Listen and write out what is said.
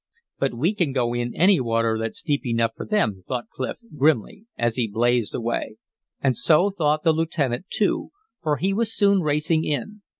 "But we can go in any water that's deep enough for them," thought Clif, grimly, as he blazed away. And so thought the lieutenant, too, for he was soon racing in.